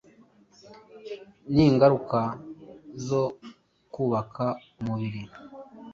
n’ingaruka zo kubaka umubiri